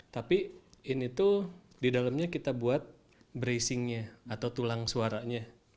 tapi di dalamnya kita buat bracingnya atau tulang suaranya